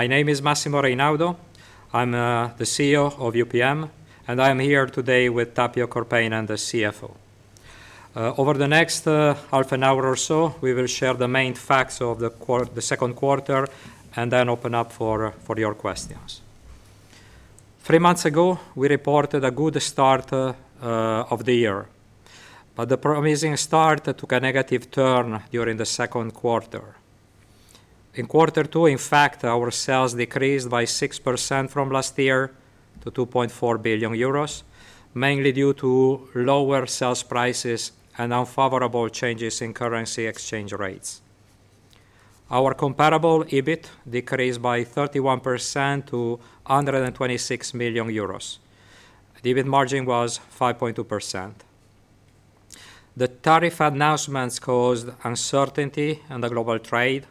My name is Massimo Reynaudo. I'm the CEO of UPM, and I am here today with Tapio Korpeinen as CFO. Over the next half an hour or so, we will share the main facts of the second quarter and then open up for your questions. Three months ago, we reported a good start of the year, but the promising start took a negative turn during the second quarter. In quarter two, in fact, our sales decreased by 6% from last year to 2.4 billion euros, mainly due to lower sales prices and unfavorable changes in currency exchange rates. Our comparable EBIT decreased by 31% to 126 million euros. The EBIT margin was 5.2%. The tariff announcements caused uncertainty in the global trade,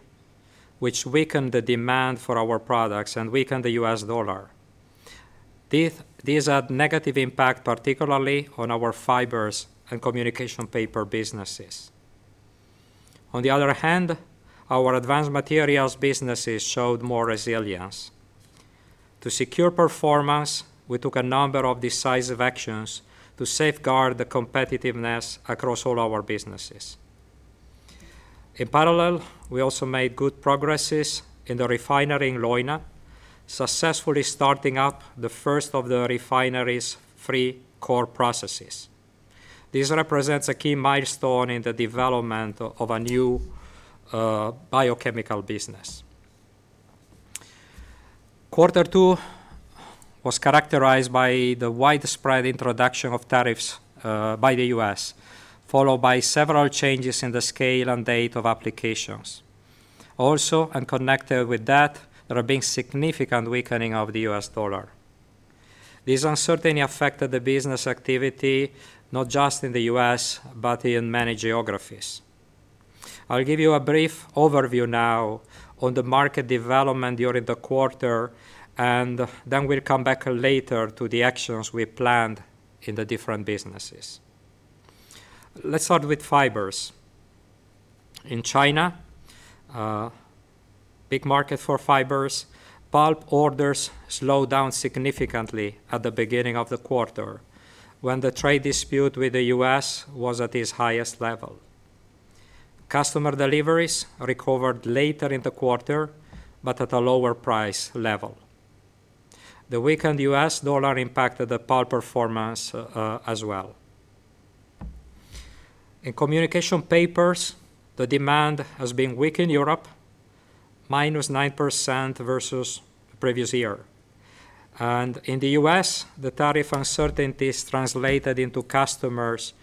which weakened the demand for our products and weakened the US dollar. These had a negative impact, particularly on our Fibers and Communication Papers businesses. On the other hand, our Advanced Materials businesses showed more resilience. To secure performance, we took a number of decisive actions to safeguard the competitiveness across all our businesses. In parallel, we also made good progress in the refinery in Leuna, successfully starting up the first of the refinery's three core processes. This represents a key milestone in the development of a new Biochemicals business. Quarter two was characterized by the widespread introduction of tariffs by the U.S., followed by several changes in the scale and date of applications. Also, and connected with that, there had been a significant weakening of the US dollar. This uncertainty affected the business activity not just in the U.S., but in many geographies. I'll give you a brief overview now on the market development during the quarter, and then we'll come back later to the actions we planned in the different businesses. Let's start with Fibers. In China, big market for Fibers, bulk orders slowed down significantly at the beginning of the quarter when the trade dispute with the U.S. was at its highest level. Customer deliveries recovered later in the quarter, but at a lower price level. The weakened US dollar impacted the bulk performance as well. In Communication Papers, the demand has been weak in Europe, -9% versus the previous year. In the U.S., the tariff uncertainties translated into customers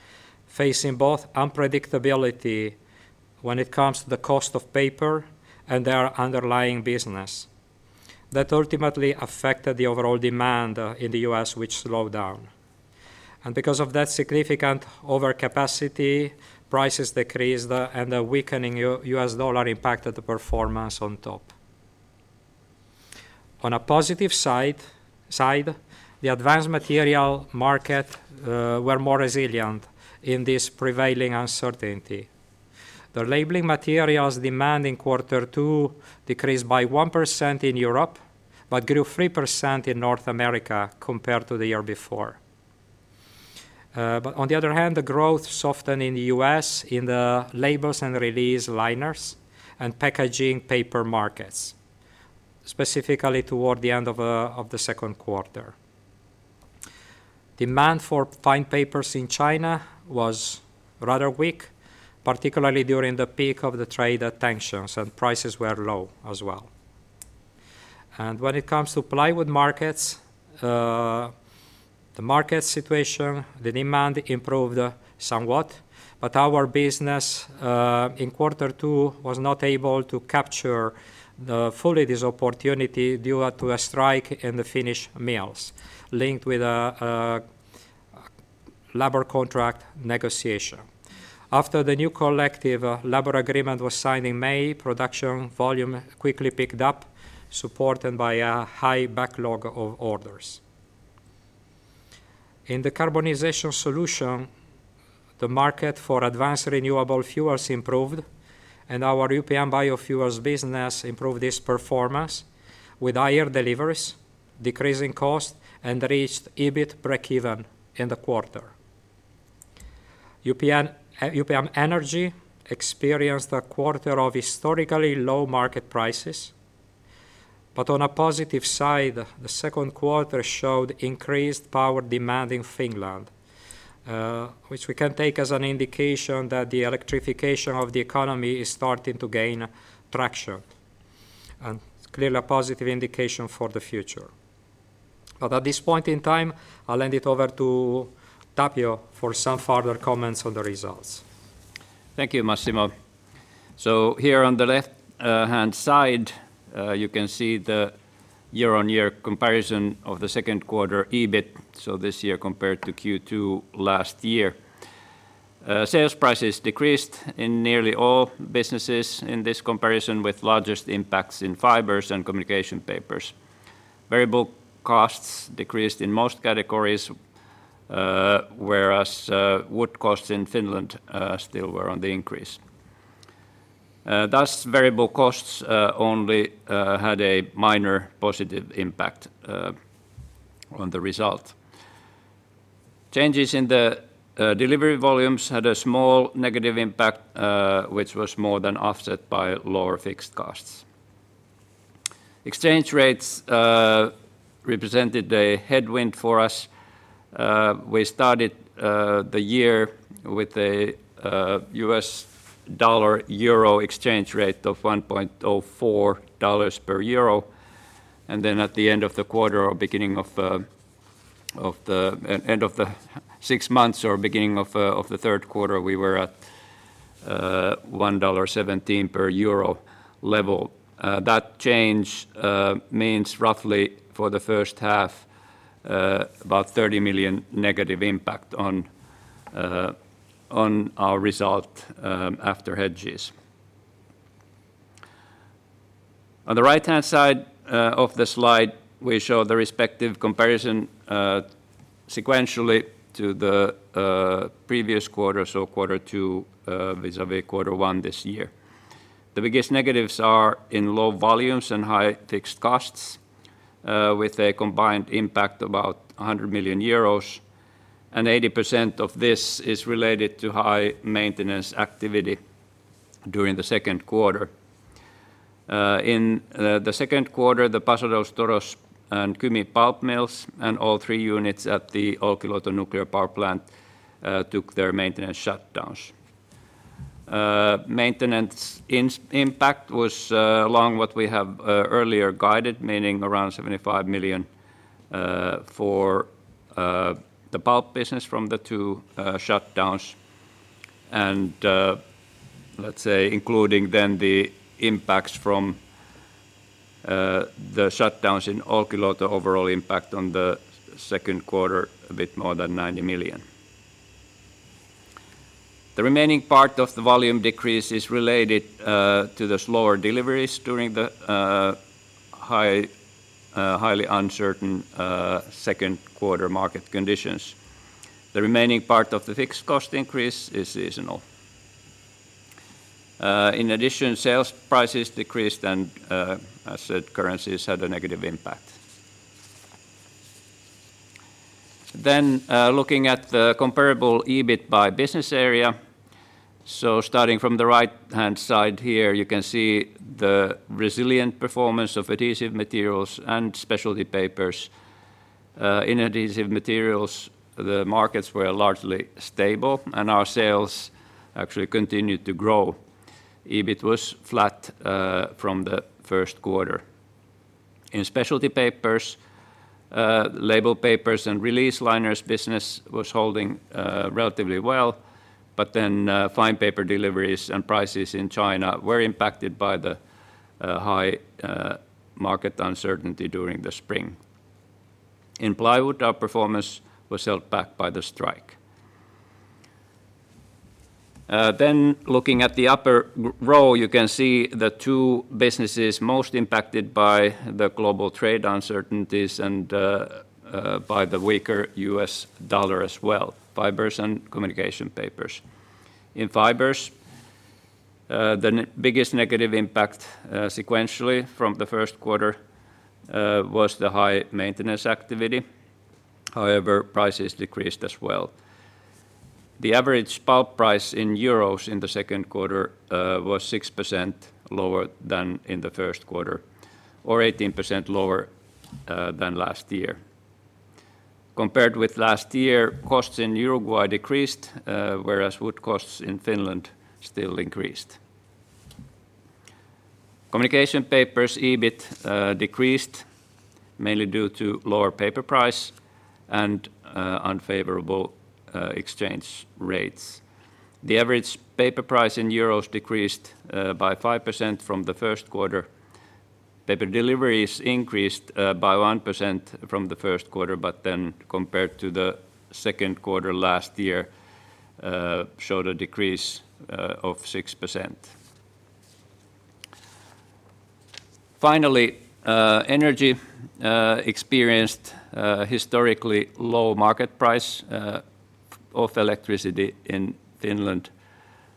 facing both unpredictability when it comes to the cost of paper and their underlying business. That ultimately affected the overall demand in the U.S., which slowed down. Because of that significant overcapacity, prices decreased, and the weakening US dollar impacted the performance on top. On a positive side, the Advanced Materials market were more resilient in this prevailing uncertainty. The labeling materials demand in quarter two decreased by 1% in Europe, but grew 3% in North America compared to the year before. On the other hand, the growth softened in the U.S. in the labels and release liners and packaging paper markets, specifically toward the end of the second quarter. Demand for fine papers in China was rather weak, particularly during the peak of the trade tensions, and prices were low as well. When it comes to plywood markets, the market situation, the demand improved somewhat, but our business in quarter two was not able to capture fully this opportunity due to a strike in the Finnish mills linked with a labor contract negotiation. After the new collective labor agreement was signed in May, production volume quickly picked up, supported by a high backlog of orders. In the carbonization solution, the market for advanced renewable fuels improved, and our UPM biofuels business improved its performance with higher deliveries, decreasing costs, and reached EBIT break-even in the quarter. UPM Energy experienced a quarter of historically low market prices. On a positive side, the second quarter showed increased power demand in Finland, which we can take as an indication that the electrification of the economy is starting to gain traction. Clearly a positive indication for the future. At this point in time, I'll hand it over to Tapio for some further comments on the results. Thank you, Massimo. Here on the left-hand side, you can see the year-on-year comparison of the second quarter EBIT, so this year compared to Q2 last year. Sales prices decreased in nearly all businesses in this comparison, with largest impacts in Fibers and Communication Papers. Variable costs decreased in most categories, whereas wood costs in Finland still were on the increase. Thus, variable costs only had a minor positive impact on the result. Changes in the delivery volumes had a small negative impact, which was more than offset by lower fixed costs. Exchange rates represented a headwind for us. We started the year with a US dollar-euro exchange rate of $1.04 per euro, and then at the end of the quarter or beginning of the end of the six months or beginning of the third quarter, we were at $1.17 per euro level. That change means roughly for the first half about 30 million negative impact on our result after hedges. On the right-hand side of the slide, we show the respective comparison sequentially to the previous quarter, so quarter two vis-à-vis quarter one this year. The biggest negatives are in low volumes and high fixed costs, with a combined impact of about 100 million euros. Eighty percent of this is related to high maintenance activity during the second quarter. In the second quarter, the Paso de los Toros and Kaukas Mills, and all three units at the Olkiluoto Nuclear Power Plant, took their maintenance shutdowns. Maintenance impact was along what we have earlier guided, meaning around 75 million for the pulp business from the two shutdowns. Let's say, including then the impacts from the shutdowns in Olkiluoto, overall impact on the second quarter a bit more than 90 million. The remaining part of the volume decrease is related to the slower deliveries during the highly uncertain second quarter market conditions. The remaining part of the fixed cost increase is seasonal. In addition, sales prices decreased, and asset currencies had a negative impact. Looking at the comparable EBIT by business area, starting from the right-hand side here, you can see the resilient performance of Adhesive Materials and Specialty Papers. In Adhesive Materials, the markets were largely stable, and our sales actually continued to grow. EBIT was flat from the first quarter. In Specialty Papers, label papers and release liners business was holding relatively well, but then fine paper deliveries and prices in China were impacted by the high market uncertainty during the spring. In Plywood, our performance was held back by the strike. Looking at the upper row, you can see the two businesses most impacted by the global trade uncertainties and by the weaker US dollar as well: Fibers and Communication Papers. In Fibers, the biggest negative impact sequentially from the first quarter was the high maintenance activity. However, prices decreased as well. The average bulk price in euros in the second quarter was 6% lower than in the first quarter, or 18% lower than last year. Compared with last year, costs in Uruguay decreased, whereas wood costs in Finland still increased. Communication Papers' EBIT decreased, mainly due to lower paper price and unfavorable exchange rates. The average paper price in euros decreased by 5% from the first quarter. Paper deliveries increased by 1% from the first quarter, but then compared to the second quarter last year, showed a decrease of 6%. Finally, energy experienced historically low market price of electricity in Finland.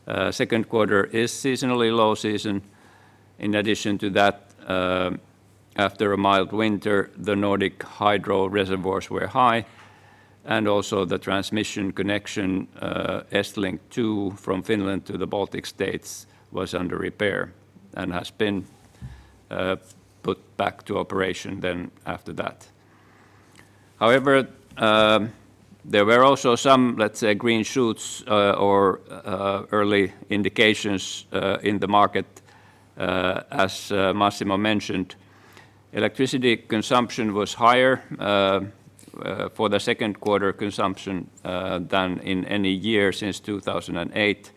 The second quarter is seasonally low season. In addition to that, after a mild winter, the Nordic hydro reservoirs were high, and also the transmission connection Estlink 2 from Finland to the Baltic states was under repair and has been put back to operation then after that. However, there were also some, let's say, green shoots or early indications in the market. As Massimo mentioned, electricity consumption was higher for the second quarter consumption than in any year since 2008.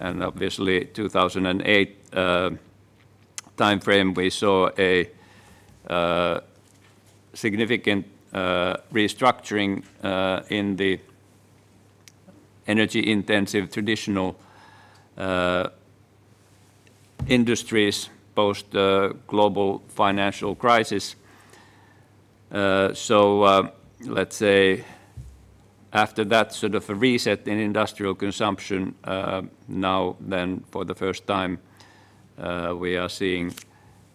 Obviously, in the 2008 timeframe, we saw a significant restructuring in the energy-intensive traditional industries post the global financial crisis. Let's say after that sort of a reset in industrial consumption, now then, for the first time, we are seeing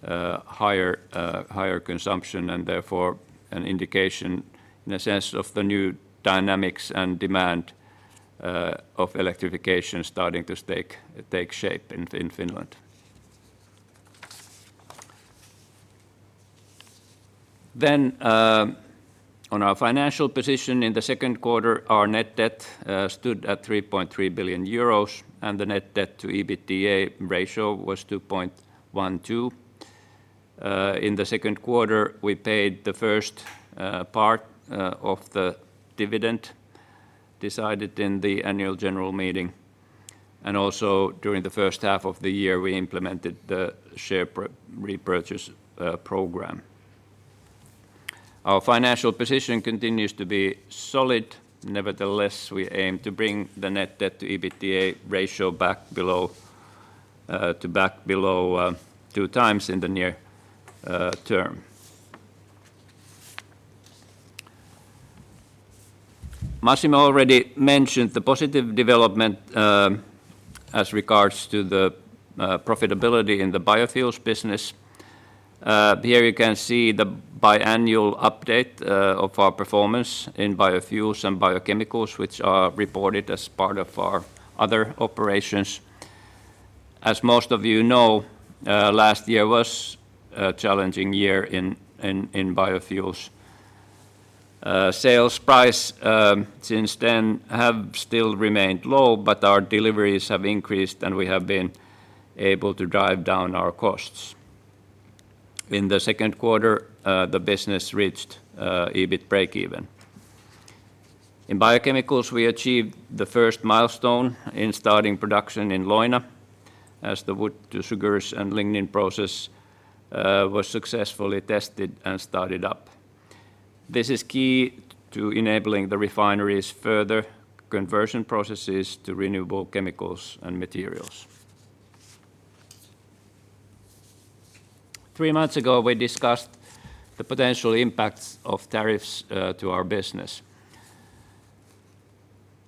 higher consumption and therefore an indication, in a sense, of the new dynamics and demand of electrification starting to take shape in Finland. On our financial position in the second quarter, our net debt stood at 3.3 billion euros, and the net debt to EBITDA ratio was 2.12. In the second quarter, we paid the first part of the dividend decided in the annual general meeting. Also during the first half of the year, we implemented the share repurchase program. Our financial position continues to be solid. Nevertheless, we aim to bring the net debt to EBITDA ratio back below 2x in the near term. Massimo already mentioned the positive development as regards to the profitability in the biofuels business. Here you can see the biannual update of our performance in biofuels and biochemicals, which are reported as part of our other operations. As most of you know, last year was a challenging year in biofuels. Sales prices since then have still remained low, but our deliveries have increased, and we have been able to drive down our costs. In the second quarter, the business reached EBIT break-even. In biochemicals, we achieved the first milestone in starting production in Leuna, as the wood-to-sugars and lignin process was successfully tested and started up. This is key to enabling the refineries' further conversion processes to renewable chemicals and materials. Three months ago, we discussed the potential impacts of tariffs to our business.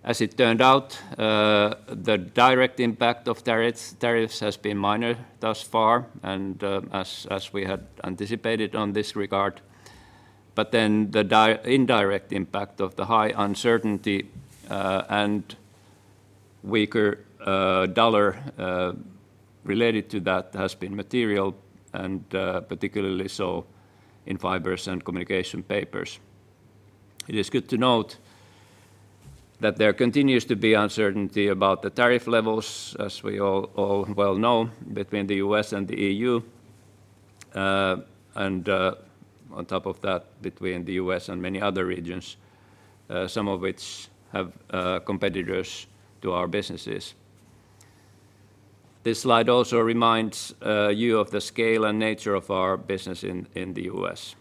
As it turned out, the direct impact of tariffs has been minor thus far, and as we had anticipated on this regard. The indirect impact of the high uncertainty and weaker dollar related to that has been material, and particularly so in Fibers and Communication Papers. It is good to note. There continues to be uncertainty about the tariff levels, as we all well know, between the U.S. and the EU. On top of that, between the U.S. and many other regions, some of which have competitors to our businesses. This slide also reminds you of the scale and nature of our business in the U.S.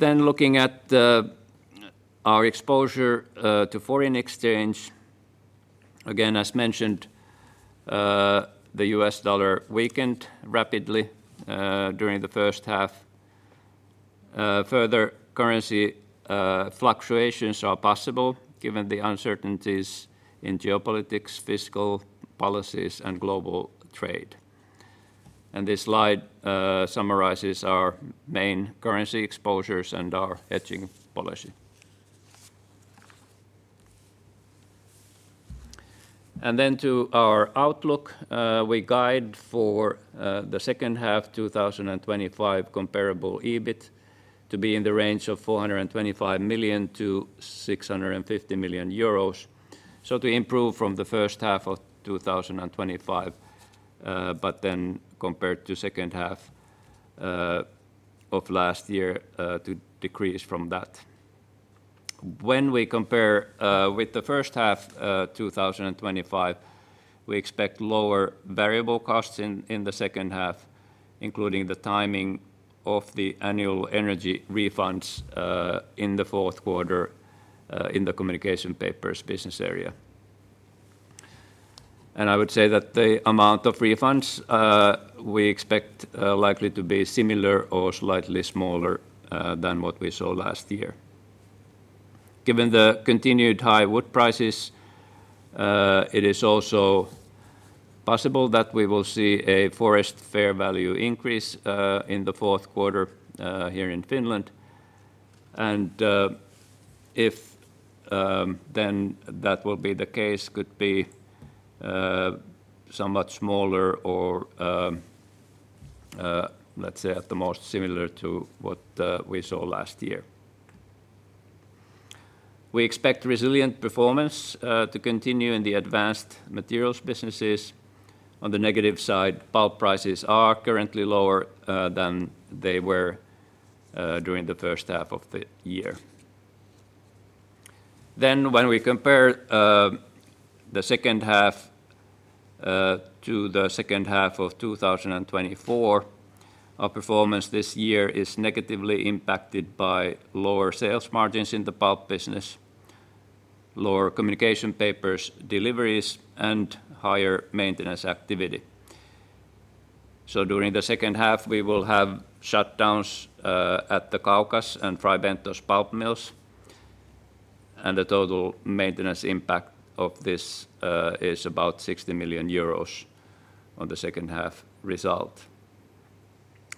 Looking at our exposure to foreign exchange, again, as mentioned, the US dollar weakened rapidly during the first half. Further currency fluctuations are possible given the uncertainties in geopolitics, fiscal policies, and global trade. This slide summarizes our main currency exposures and our hedging policy. To our outlook, we guide for the second half 2025 comparable EBIT to be in the range of 425 million-650 million euros, so to improve from the first half of 2025. Compared to the second half of last year, to decrease from that. When we compare with the first half 2025, we expect lower variable costs in the second half, including the timing of the annual energy refunds in the fourth quarter in the Communication Papers business area. I would say that the amount of refunds we expect likely to be similar or slightly smaller than what we saw last year. Given the continued high wood prices, it is also possible that we will see a forest fair value increase in the fourth quarter here in Finland. If that will be the case, it could be somewhat smaller or, let's say, at the most similar to what we saw last year. We expect resilient performance to continue in the Advanced Materials businesses. On the negative side, bulk prices are currently lower than they were during the first half of the year. When we compare the second half to the second half of 2024, our performance this year is negatively impacted by lower sales margins in the bulk business, lower Communication Papers deliveries, and higher maintenance activity. During the second half, we will have shutdowns at the Kaukas and Fray Bentos pulp mills, and the total maintenance impact of this is about 60 million euros on the second half result.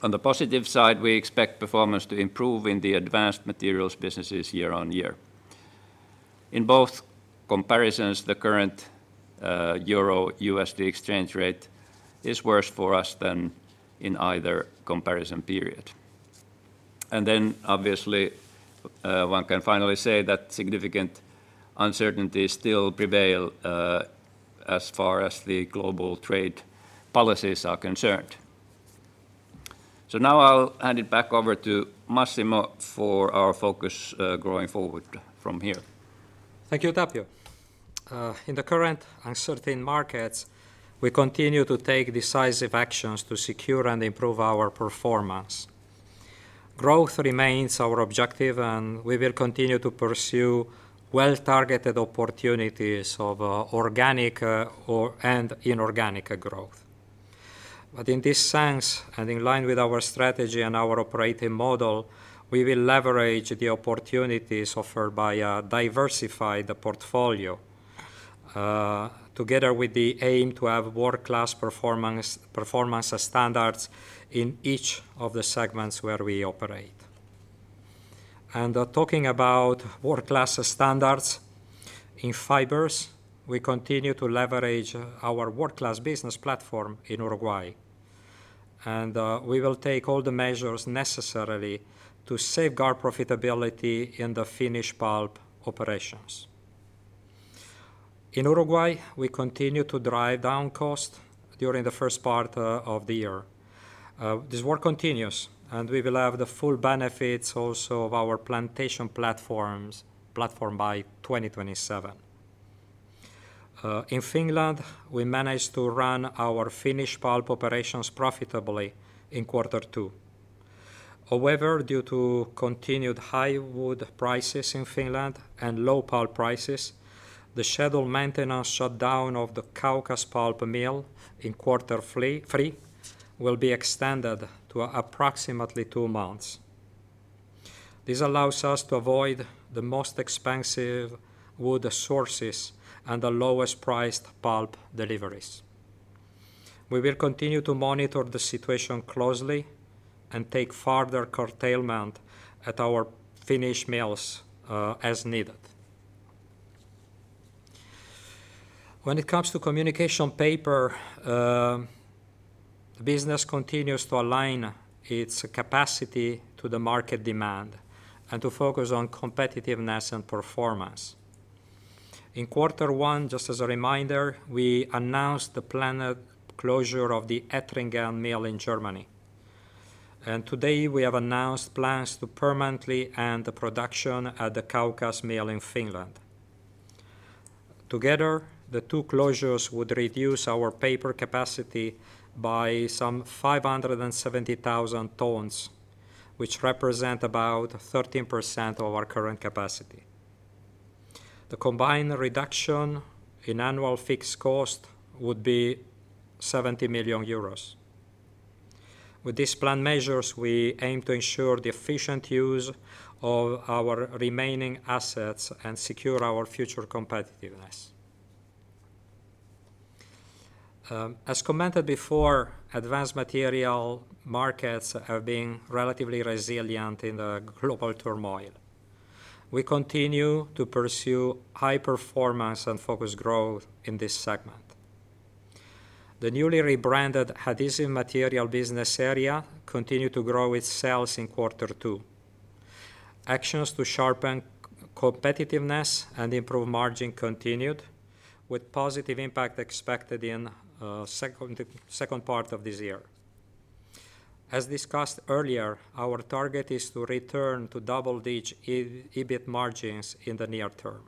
On the positive side, we expect performance to improve in the Advanced Materials businesses year on year. In both comparisons, the current EUR/USD exchange rate is worse for us than in either comparison period. Obviously, one can finally say that significant uncertainty still prevails as far as the global trade policies are concerned. Now I'll hand it back over to Massimo for our focus going forward from here. Thank you, Tapio. In the current uncertain markets, we continue to take decisive actions to secure and improve our performance. Growth remains our objective, and we will continue to pursue well-targeted opportunities of organic and inorganic growth. In this sense, and in line with our strategy and our operating model, we will leverage the opportunities offered by a diversified portfolio. Together with the aim to have world-class performance standards in each of the segments where we operate. Talking about world-class standards, in Fibers, we continue to leverage our world-class business platform in Uruguay. We will take all the measures necessary to safeguard profitability in the Finnish bulk operations. In Uruguay, we continue to drive down costs during the first part of the year. This work continues, and we will have the full benefits also of our plantation platforms by 2027. In Finland, we managed to run our Finnish bulk operations profitably in quarter two. However, due to continued high wood prices in Finland and low pulp prices, the scheduled maintenance shutdown of the Kaukas pulp mill in quarter three will be extended to approximately two months. This allows us to avoid the most expensive wood sources and the lowest priced pulp deliveries. We will continue to monitor the situation closely and take further curtailment at our Finnish mills as needed. When it comes to Communication Paper, the business continues to align its capacity to the market demand and to focus on competitiveness and performance. In quarter one, just as a reminder, we announced the planned closure of the Ettlingen mill in Germany. Today, we have announced plans to permanently end production at the Kaukas mill in Finland. Together, the two closures would reduce our paper capacity by some 570,000 tons, which represents about 13% of our current capacity. The combined reduction in annual fixed cost would be 70 million euros. With these planned measures, we aim to ensure the efficient use of our remaining assets and secure our future competitiveness. As commented before, Advanced Materials markets are being relatively resilient in the global turmoil. We continue to pursue high performance and focused growth in this segment. The newly rebranded Hattisen material business area continued to grow its sales in quarter two. Actions to sharpen competitiveness and improve margin continued, with positive impact expected in the second part of this year. As discussed earlier, our target is to return to double-digit EBIT margins in the near term.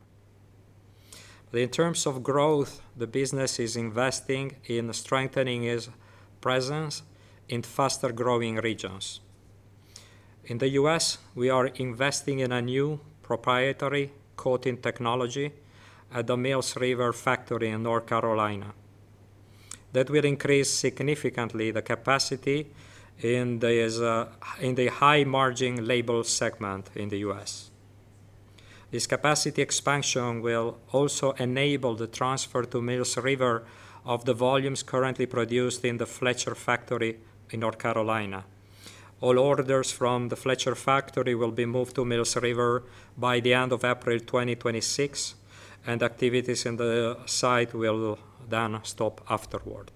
In terms of growth, the business is investing in strengthening its presence in faster-growing regions. In the U.S., we are investing in a new proprietary coating technology at the Mills River factory in North Carolina. That will increase significantly the capacity in the high-margin label segment in the U.S. This capacity expansion will also enable the transfer to Mills River of the volumes currently produced in the Fletcher factory in North Carolina. All orders from the Fletcher factory will be moved to Mills River by the end of April 2026, and activities in the site will then stop afterward.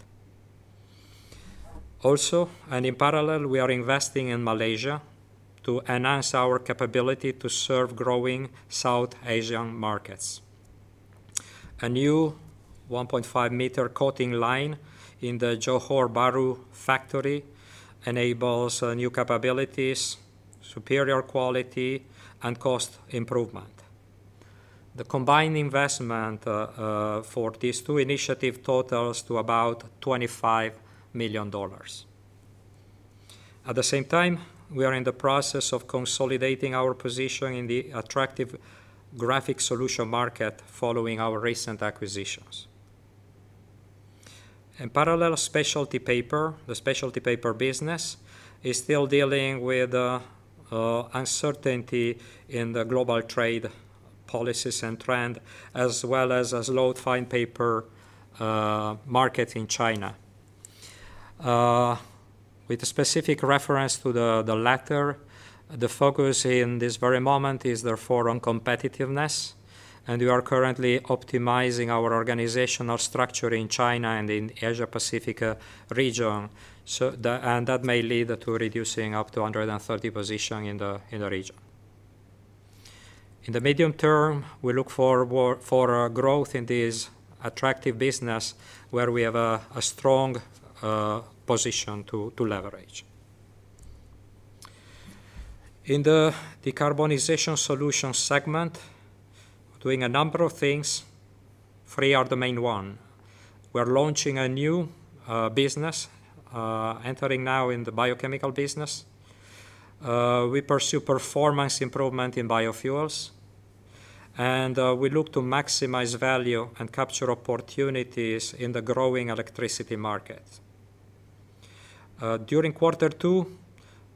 Also, and in parallel, we are investing in Malaysia to enhance our capability to serve growing South Asian markets. A new 1.5-meter coating line in the Johor Bahru factory enables new capabilities, superior quality, and cost improvement. The combined investment for these two initiatives totals to about $25 million. At the same time, we are in the process of consolidating our position in the attractive graphic solution market following our recent acquisitions. In parallel, the specialty paper business is still dealing with uncertainty in the global trade policies and trend, as well as a slow fine paper market in China. With a specific reference to the latter, the focus in this very moment is therefore on competitiveness, and we are currently optimizing our organizational structure in China and in the Asia-Pacific region. That may lead to reducing up to 130 positions in the region. In the medium term, we look forward for growth in this attractive business where we have a strong position to leverage. In the decarbonization solution segment, doing a number of things, three are the main ones. We're launching a new business, entering now in the biochemical business. We pursue performance improvement in biofuels, and we look to maximize value and capture opportunities in the growing electricity market. During quarter two,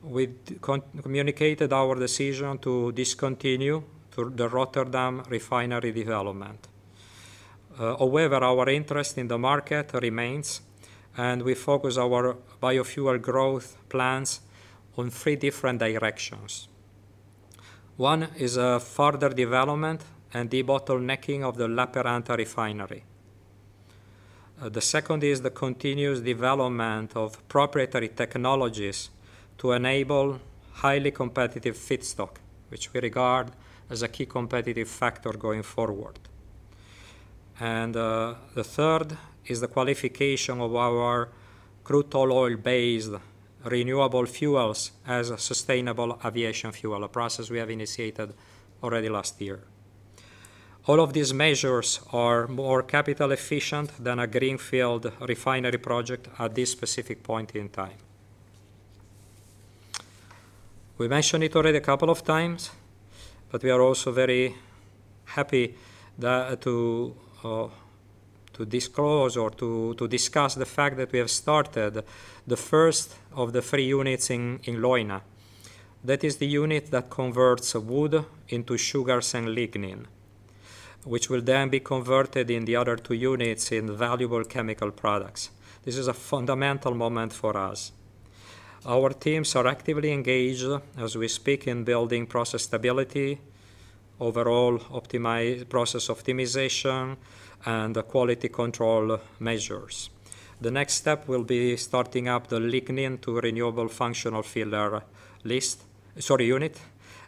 we communicated our decision to discontinue the Rotterdam refinery development. However, our interest in the market remains, and we focus our biofuel growth plans on three different directions. One is further development and de-bottlenecking of the Lappeenranta refinery. The second is the continuous development of proprietary technologies to enable highly competitive feedstock, which we regard as a key competitive factor going forward. The third is the qualification of our crude oil-based renewable fuels as sustainable aviation fuel, a process we have initiated already last year. All of these measures are more capital-efficient than a greenfield refinery project at this specific point in time. We mentioned it already a couple of times, but we are also very happy to disclose or to discuss the fact that we have started the first of the three units in Leuna. That is the unit that converts wood into sugars and lignin, which will then be converted in the other two units in valuable chemical products. This is a fundamental moment for us. Our teams are actively engaged as we speak in building process stability, overall process optimization, and quality control measures. The next step will be starting up the lignin to renewable functional filler unit,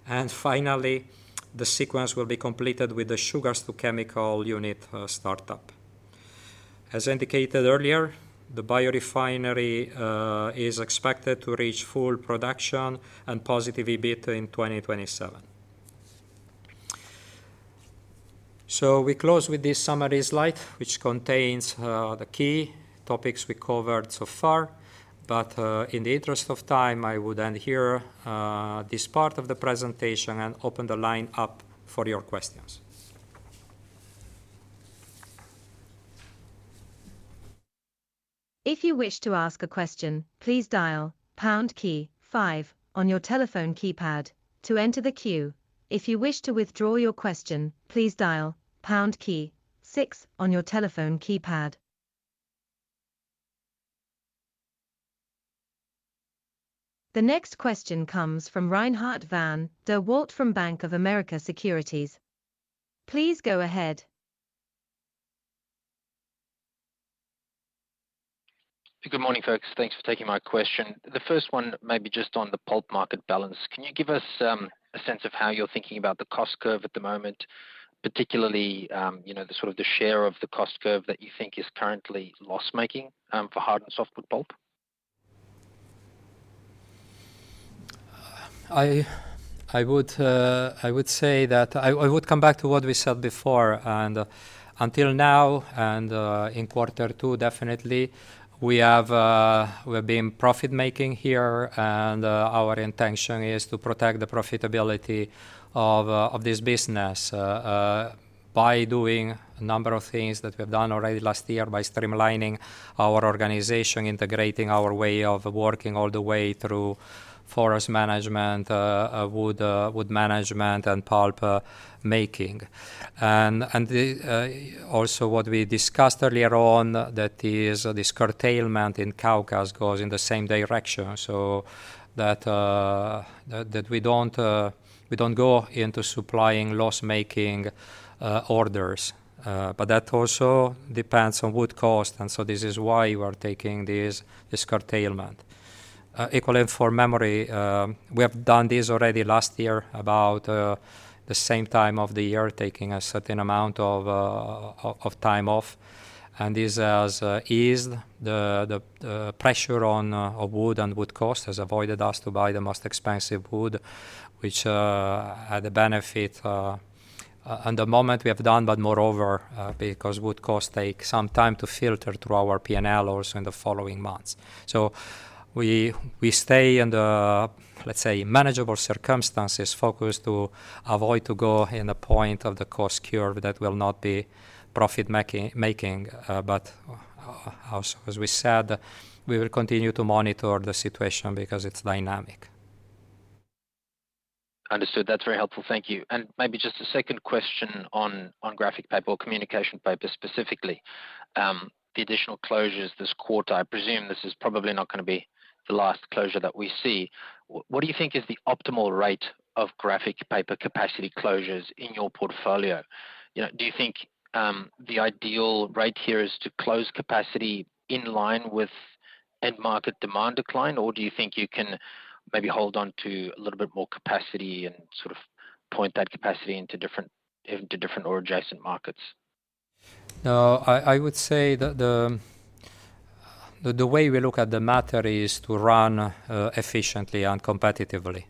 and finally, the sequence will be completed with the sugars to chemical unit startup. As indicated earlier, the biorefinery is expected to reach full production and positive EBIT in 2027. We close with this summary slide, which contains the key topics we covered so far. In the interest of time, I would end here this part of the presentation and open the line up for your questions. If you wish to ask a question, please dial pound key five on your telephone keypad to enter the queue. If you wish to withdraw your question, please dial pound key six on your telephone keypad. The next question comes from Reinhardt van der Walt from Bank of America Securities. Please go ahead. Good morning, folks. Thanks for taking my question. The first one may be just on the pulp market balance. Can you give us a sense of how you're thinking about the cost curve at the moment, particularly the sort of share of the cost curve that you think is currently loss-making for hard and softwood pulp? I would say that I would come back to what we said before. Until now, and in quarter two, definitely, we have been profit-making here, and our intention is to protect the profitability of this business by doing a number of things that we've done already last year by streamlining our organization, integrating our way of working all the way through forest management, wood management, and pulp making. Also, what we discussed earlier on, that is this curtailment in Kaukas goes in the same direction, so that we don't go into supplying loss-making orders. That also depends on wood cost, and this is why we are taking this curtailment. Equally for memory, we have done this already last year about the same time of the year, taking a certain amount of time off. This has eased the pressure on wood and wood cost, has avoided us to buy the most expensive wood, which had the benefit in the moment we have done, but moreover, because wood costs take some time to filter through our P&L also in the following months. We stay in the, let's say, manageable circumstances, focused to avoid going to the point of the cost curve that will not be profit-making. As we said, we will continue to monitor the situation because it's dynamic. Understood. That's very helpful. Thank you. Maybe just a second question on graphic paper, or communication paper specifically. The additional closures this quarter, I presume this is probably not going to be the last closure that we see. What do you think is the optimal rate of graphic paper capacity closures in your portfolio? Do you think the ideal rate here is to close capacity in line with end market demand decline, or do you think you can maybe hold on to a little bit more capacity and sort of point that capacity into different or adjacent markets? No, I would say that the way we look at the matter is to run efficiently and competitively.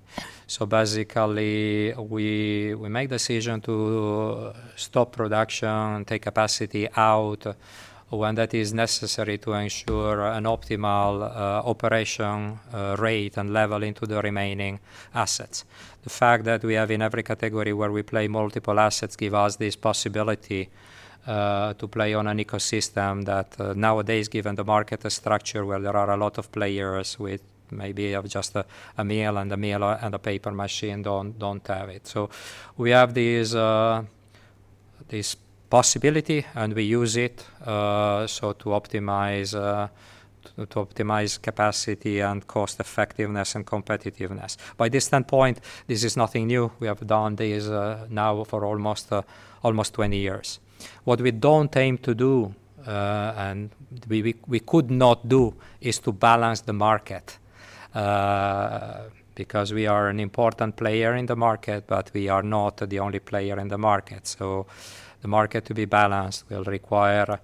Basically, we make a decision to stop production and take capacity out when that is necessary to ensure an optimal operation rate and level into the remaining assets. The fact that we have in every category where we play multiple assets gives us this possibility to play on an ecosystem that nowadays, given the market structure where there are a lot of players with maybe just a mill and a paper machine, don't have it. We have this possibility, and we use it to optimize capacity and cost-effectiveness and competitiveness. By this standpoint, this is nothing new. We have done this now for almost 20 years. What we do not aim to do, and we could not do, is to balance the market. Because we are an important player in the market, but we are not the only player in the market. For the market to be balanced will require,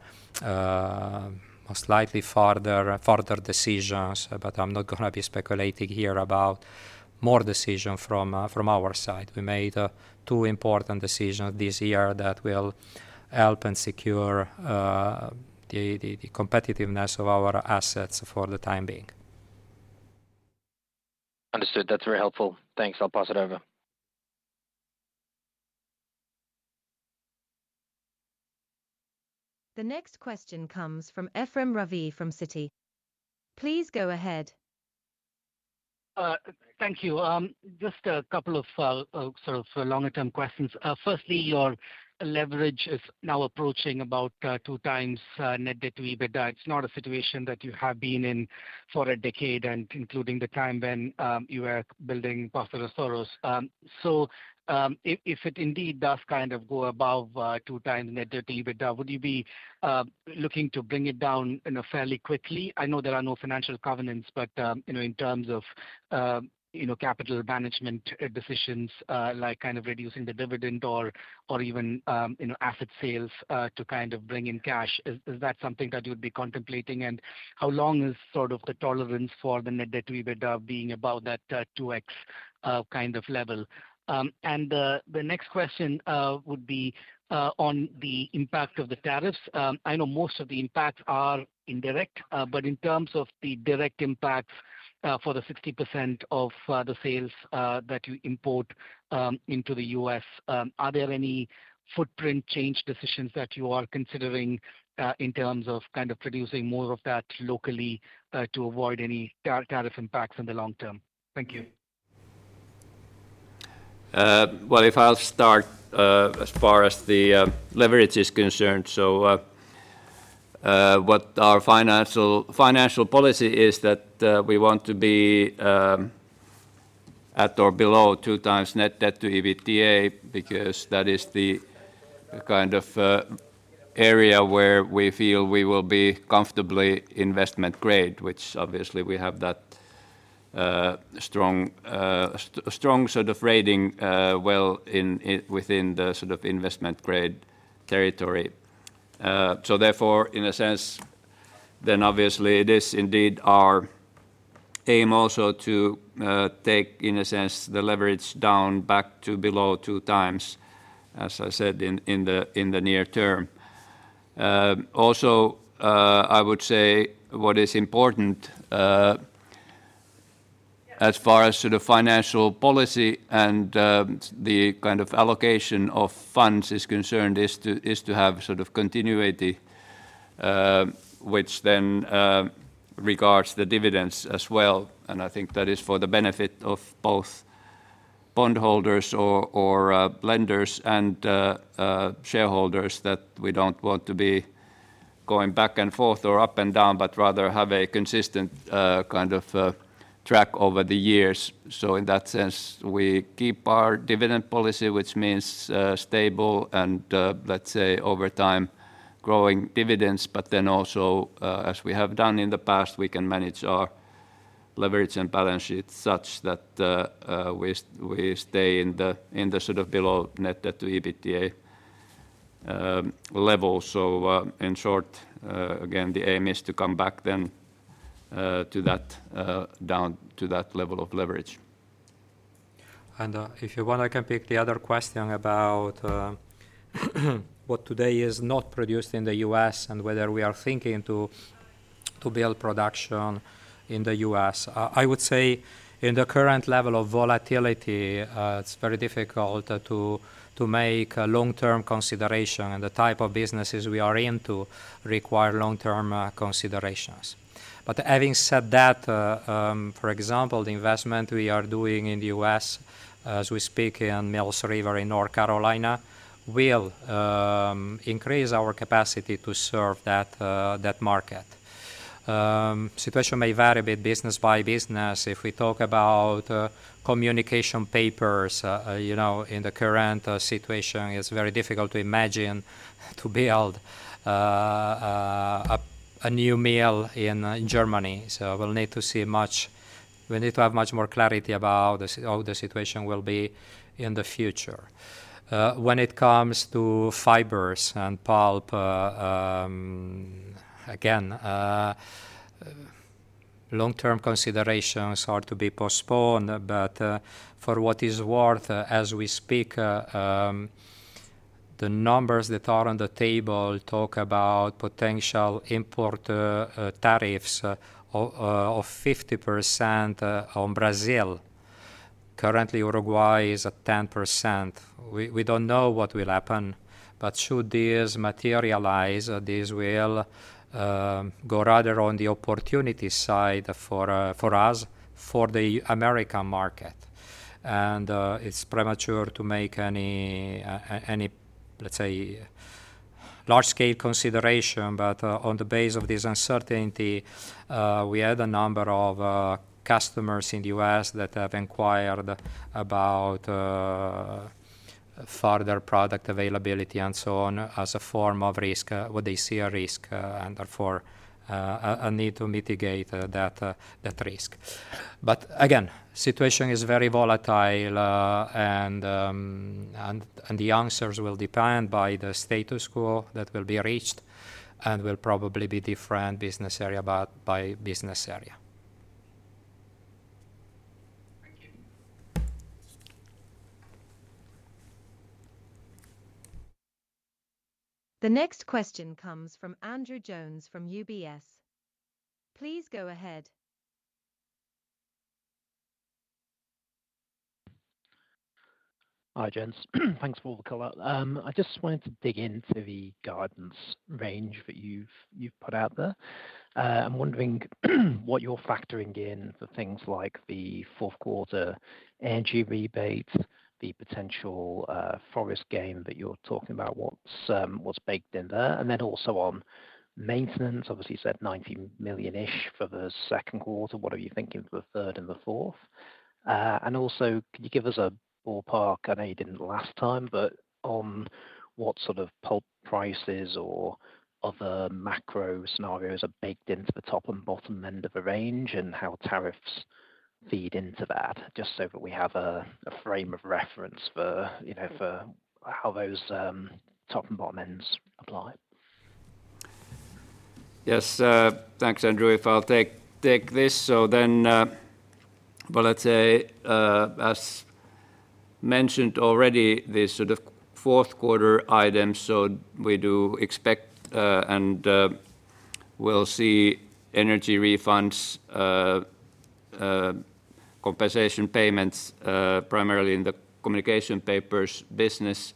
most likely, further decisions, but I am not going to be speculating here about more decisions from our side. We made two important decisions this year that will help and secure the competitiveness of our assets for the time being. Understood. That is very helpful. Thanks. I will pass it over. The next question comes from Ephrem Ravi from Citi. Please go ahead. Thank you. Just a couple of sort of longer-term questions. Firstly, your leverage is now approaching about two times net debt to EBITDA. It is not a situation that you have been in for a decade, including the time when you were building Paso de los Toros. If it indeed does kind of go above two times net debt to EBITDA, would you be looking to bring it down fairly quickly? I know there are no financial covenants, but in terms of capital management decisions, like kind of reducing the dividend or even asset sales to kind of bring in cash, is that something that you would be contemplating? And how long is sort of the tolerance for the net debt to EBITDA being about that 2x kind of level? The next question would be on the impact of the tariffs. I know most of the impacts are indirect, but in terms of the direct impacts for the 60% of the sales that you import into the U.S., are there any footprint change decisions that you are considering in terms of kind of producing more of that locally to avoid any tariff impacts in the long-term? Thank you. If I will start. As far as the leverage is concerned, what our financial policy is that we want to be at or below two times net debt to EBITDA because that is the kind of area where we feel we will be comfortably investment grade, which obviously we have that strong sort of rating well within the sort of investment grade territory. In a sense, this is indeed our aim also to take, in a sense, the leverage down back to below 2x, as I said, in the near-term. Also, I would say what is important as far as sort of financial policy and the kind of allocation of funds is concerned, is to have sort of continuity, which then regards the dividends as well. I think that is for the benefit of both bondholders or lenders and shareholders, that we do not want to be going back and forth or up and down, but rather have a consistent kind of track over the years. In that sense, we keep our dividend policy, which means stable and, let us say, over time growing dividends. But then also, as we have done in the past, we can manage our leverage and balance sheet such that we stay in the sort of below net debt to EBITDA level. In short, again, the aim is to come back then to that level of leverage. If you want, I can pick the other question about what today is not produced in the U.S. and whether we are thinking to build production in the U.S. I would say in the current level of volatility, it's very difficult to make a long-term consideration. The type of businesses we are into require long-term considerations. Having said that, for example, the investment we are doing in the U.S. as we speak in Mills River in North Carolina will increase our capacity to serve that market. The situation may vary a bit business by business. If we talk about Communication Papers in the current situation, it's very difficult to imagine to build a new mill in Germany. We need to see much, we need to have much more clarity about how the situation will be in the future. When it comes to Fibers and pulp, again, long-term considerations are to be postponed. For what it's worth, as we speak, the numbers that are on the table talk about potential import tariffs of 50% on Brazil. Currently, Uruguay is at 10%. We don't know what will happen, but should this materialize, this will go rather on the opportunity side for us for the American market. It's premature to make any, let's say, large-scale consideration. On the base of this uncertainty, we had a number of customers in the U.S. that have inquired about further product availability and so on as a form of risk, what they see as a risk, and therefore a need to mitigate that risk. Again, the situation is very volatile. The answers will depend on the status quo that will be reached and will probably be different business area by business area. Thank you. The next question comes from Andrew Jones from UBS. Please go ahead. Hi, its Jones. Thanks for the call. I just wanted to dig into the guidance range that you've put out there. I'm wondering what you're factoring in for things like the fourth-quarter energy rebate, the potential forest gain that you're talking about, what's baked in there. Also on maintenance, obviously you said 90 million-ish for the second quarter. What are you thinking for the third and the fourth? Also, can you give us a ballpark? I know you didn't last time, but on what sort of pulp prices or other macro scenarios are baked into the top and bottom end of the range and how tariffs feed into that, just so that we have a frame of reference for how those top and bottom ends apply? Yes. Thanks, Andrew. If I'll take this, so then. Well, let's say. As. Mentioned already, the sort of fourth-quarter items, we do expect and we'll see energy refunds, compensation payments primarily in the Communication Papers business.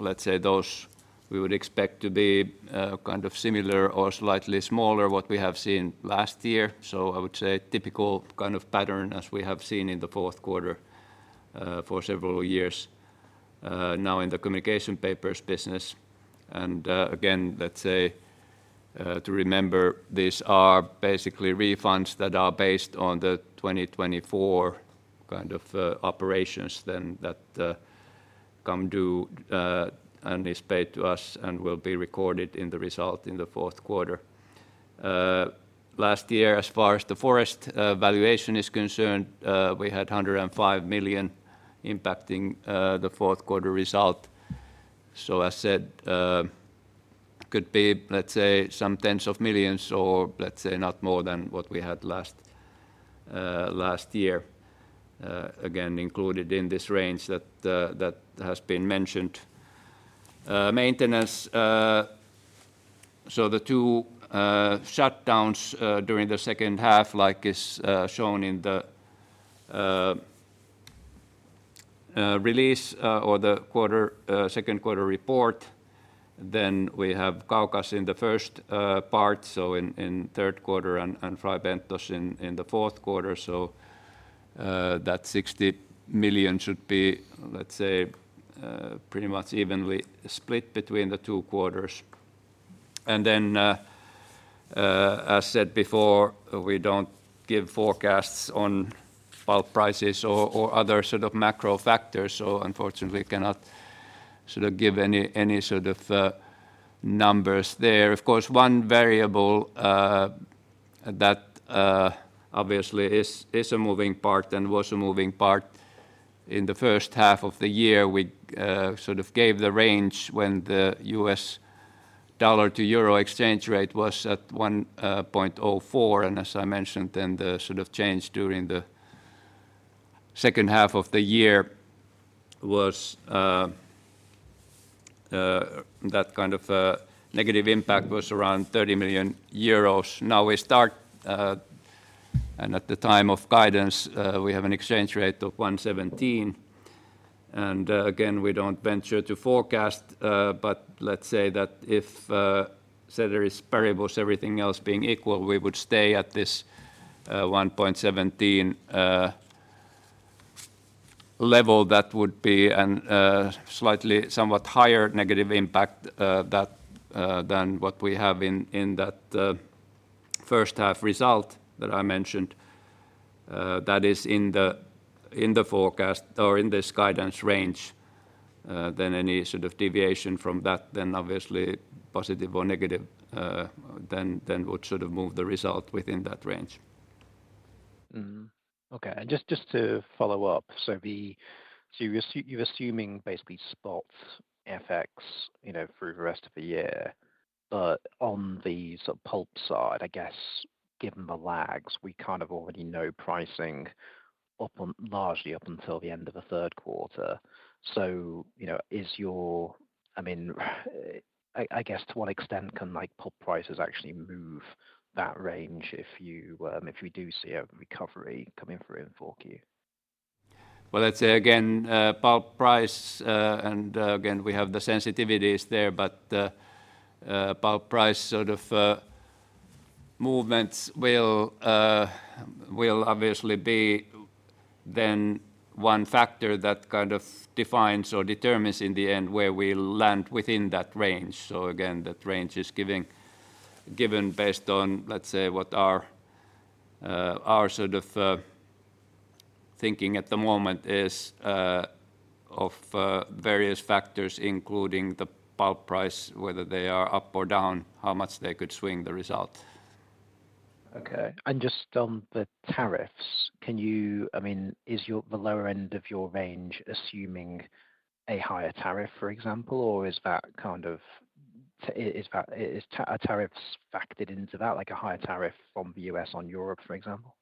Let's say those we would expect to be kind of similar or slightly smaller than what we have seen last year. I would say typical kind of pattern as we have seen in the fourth quarter for several years now in the Communication Papers business. Again, let's say, to remember, these are basically refunds that are based on the 2024 kind of operations that come due and is paid to us and will be recorded in the result in the fourth quarter. Last year, as far as the forest valuation is concerned, we had 105 million impacting the fourth-quarter result. As said, could be, let's say, some tens of millions or, let's say, not more than what we had last year. Again, included in this range that has been mentioned. Maintenance, so the two shutdowns during the second half, like is shown in the release or the second quarter report. Then we have Kaukas in the first part, so in third quarter, and Fray Bentos in the fourth quarter. That 60 million should be, let's say, pretty much evenly split between the two quarters. As said before, we don't give forecasts on pulp prices or other sort of macro factors. Unfortunately, we cannot sort of give any sort of numbers there. Of course, one variable that obviously is a moving part and was a moving part in the first half of the year, we sort of gave the range when the US dollar to euro exchange rate was at 1.04. As I mentioned, then the sort of change during the second half of the year was that kind of negative impact was around 30 million euros. Now we start, and at the time of guidance, we have an exchange rate of 1.17. Again, we don't venture to forecast, but let's say that if there is parables, everything else being equal, we would stay at this 1.17 level. That would be a slightly somewhat higher negative impact than what we have in that first-half result that I mentioned, that is in the forecast or in this guidance range. Any sort of deviation from that, then obviously positive or negative, then would sort of move the result within that range. Okay. Just to follow up, you're assuming basically spot FX through the rest of the year. On the sort of pulp side, I guess, given the lags, we kind of already know pricing largely up until the end of the third quarter. I mean, I guess to what extent can pulp prices actually move that range if we do see a recovery coming through in 4Q? Let's say again, pulp price, and again, we have the sensitivities there, but pulp price sort of movements will obviously be. Then one factor that kind of defines or determines in the end where we land within that range. Again, that range is given. Based on, let's say, what our sort of thinking at the moment is of various factors, including the pulp price, whether they are up or down, how much they could swing the result. Okay. And just on the tariffs, can you, I mean, is the lower end of your range assuming a higher tariff, for example, or is that kind of, is tariffs factored into that, like a higher tariff from the U.S. on Europe, for example?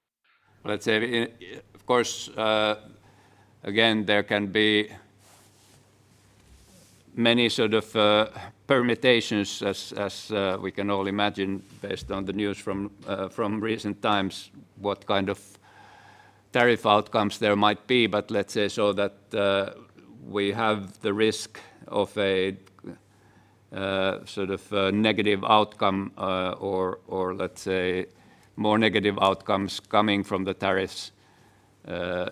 Let's say, of course. Again, there can be many sort of permutations, as we can all imagine based on the news from recent times, what kind of tariff outcomes there might be. Let's say so that we have the risk of a sort of negative outcome or, let's say, more negative outcomes coming from the tariffs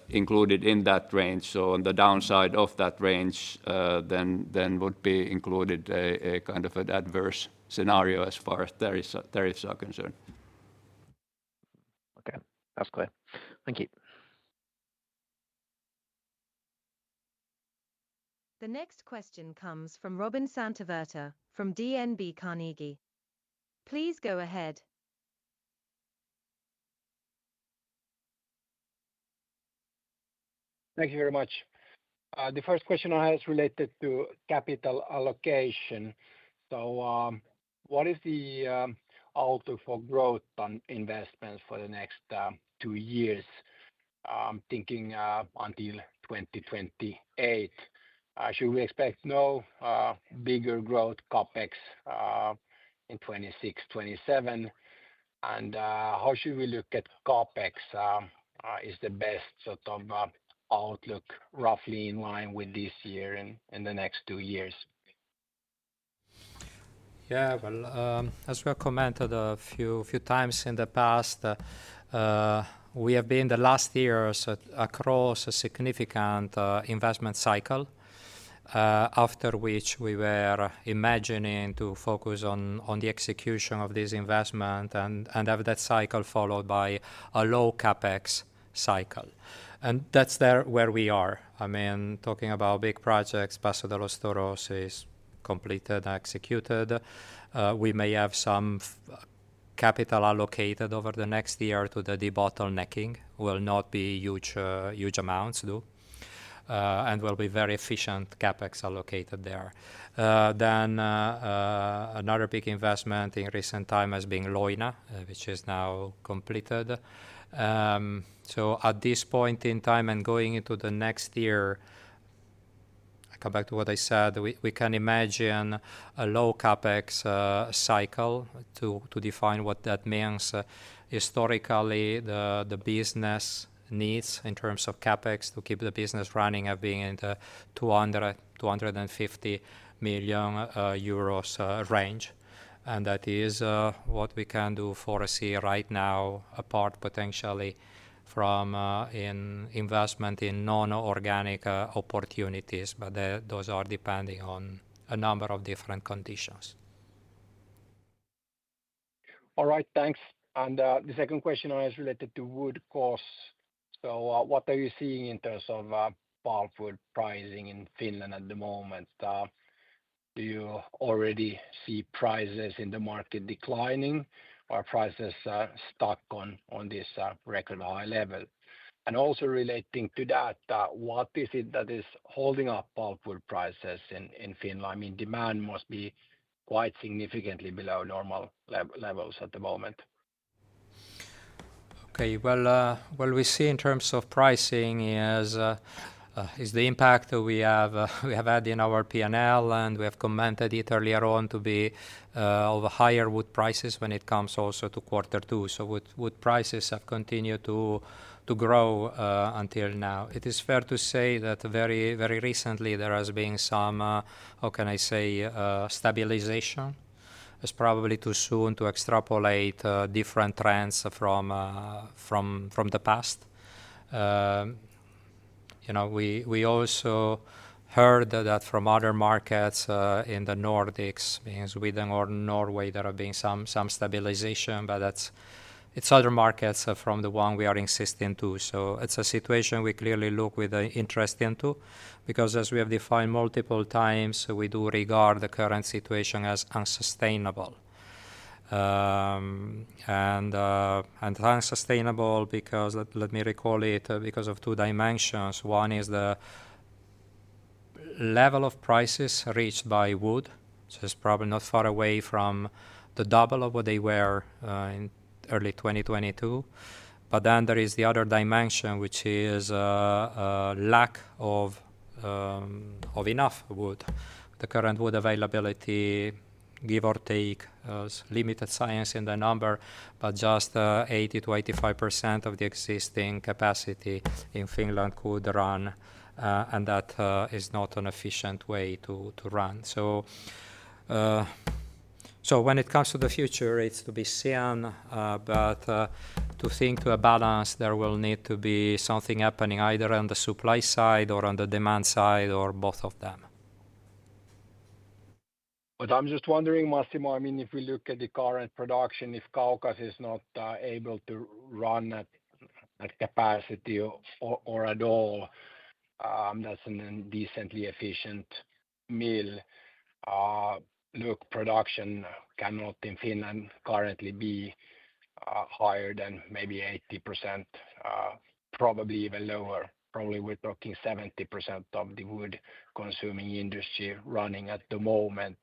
included in that range. On the downside of that range, then would be included a kind of an adverse scenario as far as tariffs are concerned. Okay. That's clear. Thank you. The next question comes from Robin Santavirta from DNB Carnegie. Please go ahead. Thank you very much. The first question I have is related to capital allocation. What is the outlook for growth on investments for the next two years? I'm thinking until 2028. Should we expect no bigger growth CapEx in 2026-2027? How should we look at CapEx? Is the best sort of outlook roughly in line with this year and the next two years? Yeah, as we have commented a few times in the past, we have been the last years across a significant investment cycle. After which we were imagining to focus on the execution of this investment and have that cycle followed by a low CapEx cycle. That's where we are. I mean, talking about big projects, Paso de los Toros is completed and executed. We may have some capital allocated over the next year to the de-bottlenecking. Will not be huge amounts, though, and will be very efficient CapEx allocated there. Another big investment in recent time has been Leuna, which is now completed. At this point in time and going into the next year, I come back to what I said, we can imagine a low CapEx cycle. To define what that means, historically, the business needs in terms of CapEx to keep the business running have been in the 200 million-250 million euros range. That is what we can do for us here right now, apart potentially from investment in non-organic opportunities. Those are depending on a number of different conditions. All right, thanks. The second question I have is related to wood costs. What are you seeing in terms of pulpwood pricing in Finland at the moment? Do you already see prices in the market declining or are prices stuck on this record high level? Also relating to that, what is it that is holding up palmwood prices in Finland? I mean, demand must be quite significantly below normal levels at the moment. Okay, what we see in terms of pricing is the impact that we have had in our P&L, and we have commented it earlier on to be of higher wood prices when it comes also to quarter two. Wood prices have continued to grow until now. It is fair to say that very recently there has been some, how can I say, stabilization. It's probably too soon to extrapolate different trends from the past. We also heard that from other markets in the Nordics, Sweden or Norway, there has been some stabilization, but it's other markets from the one we are insisting to. It's a situation we clearly look with interest into because, as we have defined multiple times, we do regard the current situation as unsustainable. Unsustainable because, let me recall it, because of two dimensions. One is the level of prices reached by wood, so it's probably not far away from double of what they were in early 2022. Then there is the other dimension, which is lack of enough wood. The current wood availability, give or take, is limited science in the number, but just 80%-85% of the existing capacity in Finland could run. That is not an efficient way to run. When it comes to the future, it's to be seen, but to think to a balance, there will need to be something happening either on the supply side or on the demand side or both of them. I'm just wondering, Massimo, I mean, if we look at the current production, if Kaukas is not able to run at capacity or at all, that's an indecently efficient mill. Look, production cannot in Finland currently be higher than maybe 80%. Probably even lower. Probably we're talking 70% of the wood-consuming industry running at the moment.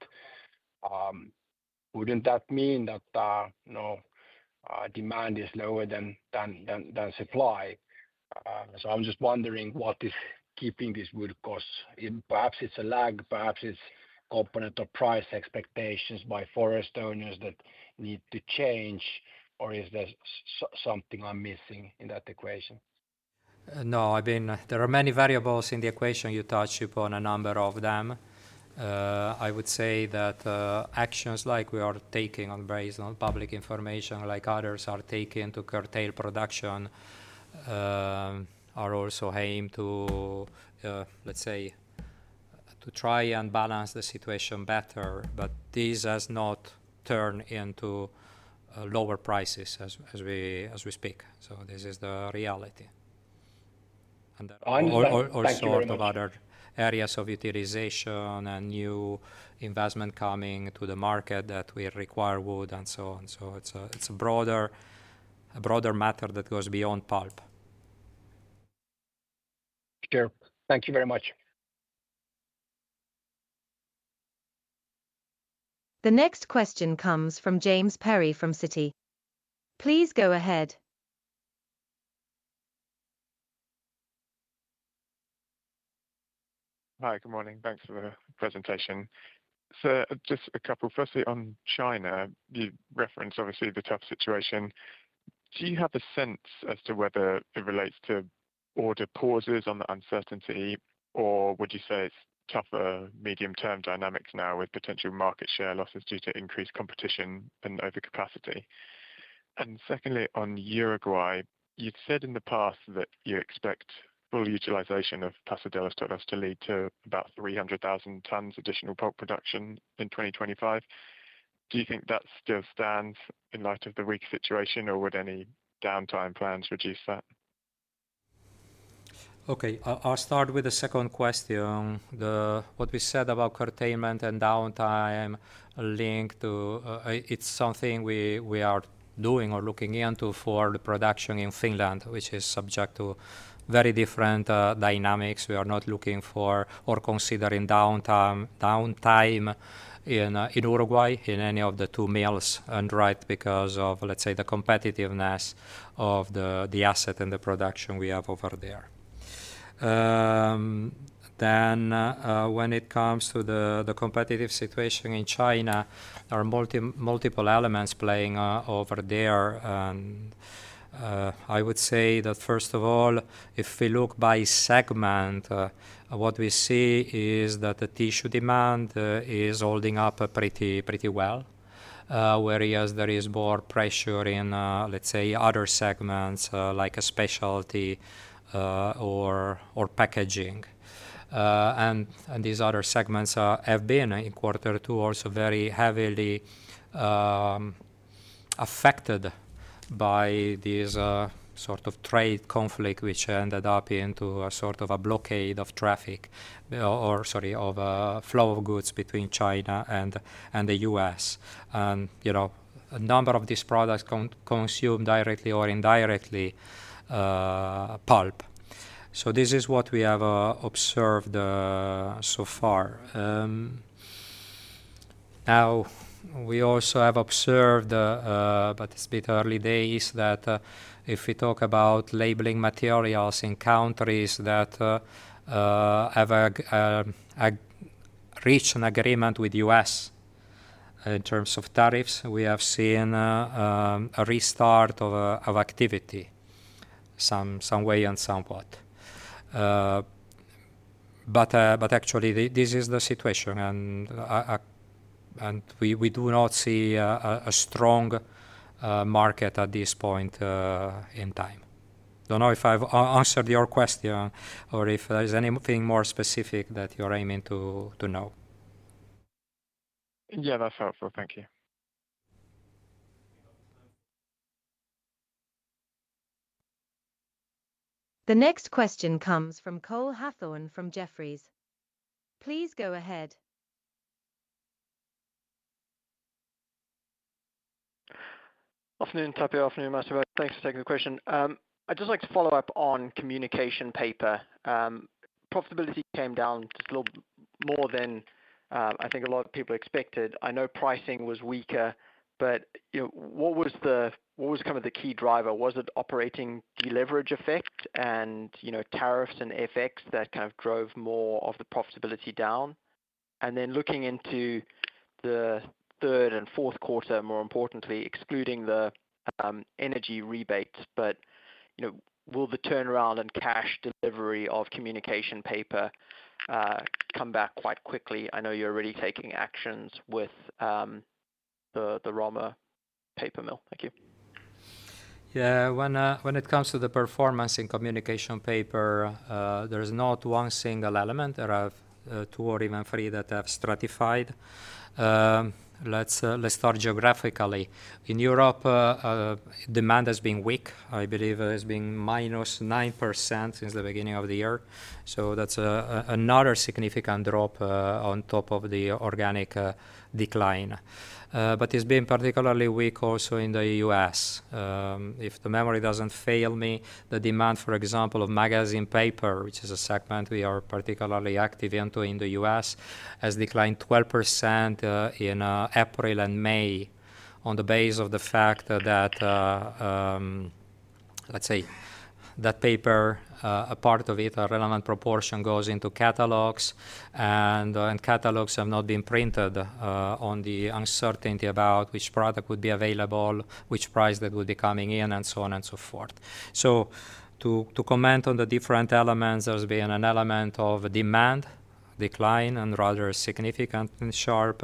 Wouldn't that mean that demand is lower than supply? I'm just wondering what is keeping this wood cost. Perhaps it's a lag, perhaps it's a component of price expectations by forest owners that need to change, or is there something I'm missing in that equation? No, I mean, there are many variables in the equation. You touched upon a number of them. I would say that actions like we are taking on based on public information, like others are taking to curtail production, are also aimed to, let's say, try and balance the situation better, but this has not turned into lower prices as we speak. This is the reality. Or sort of other areas of utilization and new investment coming to the market that will require wood and so on. It's a broader matter that goes beyond pulp. Sure. Thank you very much. The next question comes from James Perry from Citi. Please go ahead. Hi, good morning. Thanks for the presentation. So just a couple, firstly on China, you referenced obviously the tough situation. Do you have a sense as to whether it relates to order pauses on the uncertainty, or would you say it's tougher medium-term dynamics now with potential market share losses due to increased competition and overcapacity? And secondly, on Uruguay, you'd said in the past that you expect full utilization of Paso de los Toros to lead to about 300,000 tons additional pulp production in 2025. Do you think that still stands in light of the weak situation, or would any downtime plans reduce that? Okay, I'll start with the second question. What we said about curtailment and downtime. Linked to. It's something we are doing or looking into for the production in Finland, which is subject to very different dynamics. We are not looking for or considering downtime in Uruguay in any of the two mills and right because of, let's say, the competitiveness of the asset and the production we have over there. When it comes to the competitive situation in China, there are multiple elements playing over there. I would say that first of all, if we look by segment, what we see is that the tissue demand is holding up pretty well, whereas there is more pressure in, let's say, other segments like specialty or packaging. These other segments have been in quarter two also very heavily affected by this sort of trade conflict, which ended up into a sort of a blockade of traffic, or sorry, of a flow of goods between China and the U.S. A number of these products consume directly or indirectly pulp. This is what we have observed so far. Now, we also have observed, but it's a bit early days, that if we talk about labeling materials in countries that have reached an agreement with the U.S. in terms of tariffs, we have seen a restart of activity someway and somewhat. Actually, this is the situation. We do not see a strong market at this point in time. I don't know if I've answered your question or if there's anything more specific that you're aiming to know. Yeah, that's helpful. Thank you. The next question comes from Cole Hathorn from Jefferies. Please go ahead. Afternoon, Tapio. Afternoon, Massimo. Thanks for taking the question. I'd just like to follow up on communication paper. Profitability came down just a little more than I think a lot of people expected. I know pricing was weaker, but what was kind of the key driver? Was it operating deleverage effect and tariffs and FX that kind of drove more of the profitability down? Looking into the third and fourth quarter, more importantly, excluding the energy rebates, will the turnaround and cash delivery of communication paper come back quite quickly? I know you're already taking actions with the Rama Paper Mill. Thank you. Yeah, when it comes to the performance in Communication Papers, there is not one single element. There are two or even three that have stratified. Let's start geographically. In Europe, demand has been weak. I believe it has been -9% since the beginning of the year. That's another significant drop on top of the organic decline. It's been particularly weak also in the U.S. If memory doesn't fail me, the demand, for example, of magazine paper, which is a segment we are particularly active in in the U.S., has declined 12% in April and May on the basis of the fact that, let's say, that paper, a part of it, a relevant proportion goes into catalogs, and catalogs have not been printed on the uncertainty about which product would be available, which price that would be coming in, and so on and so forth. To comment on the different elements, there's been an element of demand decline and rather significant and sharp.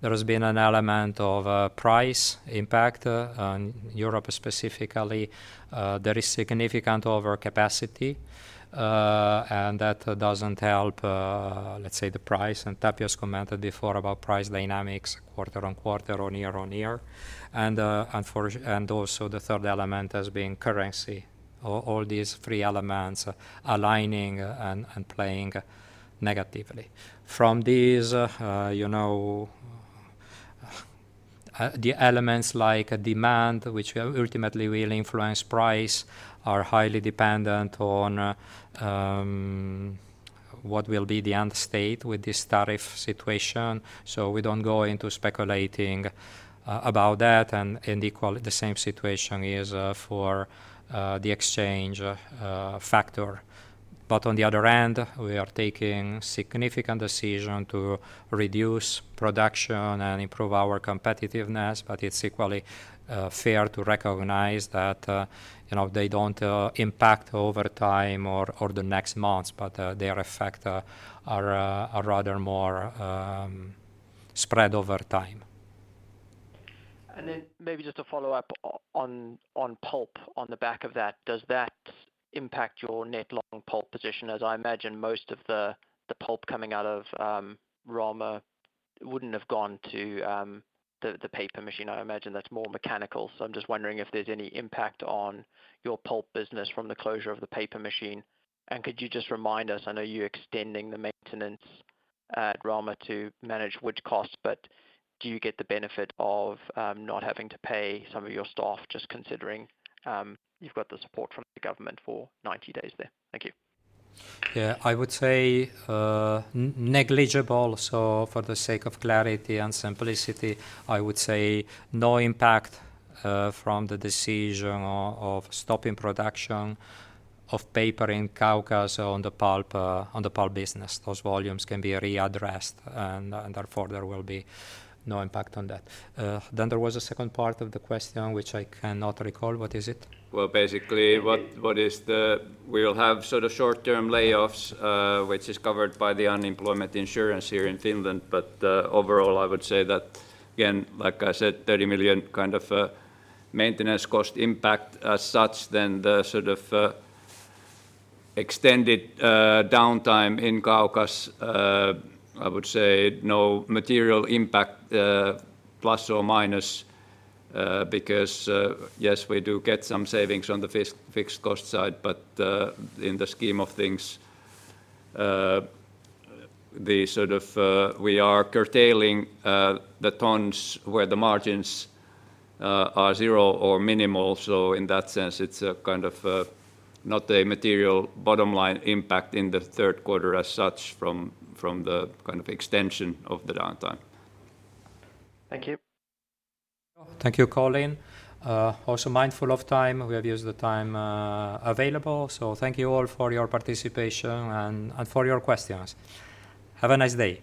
There has been an element of price impact. In Europe specifically, there is significant overcapacity, and that doesn't help, let's say, the price. Tapio's commented before about price dynamics, quarter on quarter or year-on-year. Also, the third element has been currency. All these three elements aligning and playing negatively. From these, the elements like demand, which ultimately will influence price, are highly dependent on what will be the end state with this tariff situation. We don't go into speculating about that. The same situation is for the exchange factor. On the other end, we are taking significant decisions to reduce production and improve our competitiveness, but it's equally fair to recognize that they don't impact over time or the next months, but their effects are rather more spread over time. Maybe just to follow up on pulp, on the back of that, does that impact your net long pulp position? As I imagine, most of the pulp coming out of Rama wouldn't have gone to the paper machine. I imagine that's more mechanical. I'm just wondering if there's any impact on your pulp business from the closure of the paper machine. Could you just remind us, I know you're extending the maintenance at Rama to manage wood costs, but do you get the benefit of not having to pay some of your staff just considering you've got the support from the government for 90 days there? Thank you. Yeah, I would say negligible. For the sake of clarity and simplicity, I would say no impact from the decision of stopping production of paper in Kaukas or on the pulp business. Those volumes can be readdressed, and therefore there will be no impact on that. Then there was a second part of the question, which I cannot recall. What is it? Basically, we will have sort of short-term layoffs, which is covered by the unemployment insurance here in Finland. Overall, I would say that, again, like I said, 30 million kind of maintenance cost impact as such, then the sort of extended downtime in Kaukas. I would say no material impact, plus or minus, because yes, we do get some savings on the fixed cost side, but in the scheme of things, we are curtailing the tons where the margins are zero or minimal. In that sense, it is kind of not a material bottom line impact in the third quarter as such from the extension of the downtime. Thank you. Thank you, Cole. Also mindful of time, we have used the time available. Thank you all for your participation and for your questions. Have a nice day.